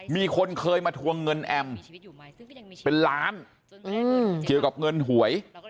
มีคนเคยมาทวงเงินแอมเป็นล้านเกี่ยวกับเงินหวย